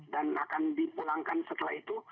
dan akan dipulangkan setelah itu